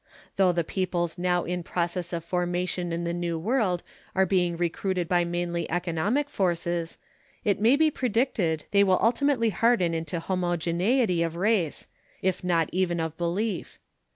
Though the peoples now in process of formation in the New World are being recruited by mainly economic forces, it may be predicted they will ultimately harden into homogeneity of race, if not even of belief.